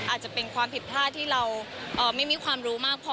อาจจะเป็นความผิดพลาดที่เราไม่มีความรู้มากพอ